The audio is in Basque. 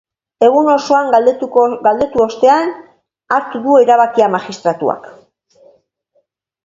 Egun osoan galdekatu ostean hartu du erabakia magistratuak.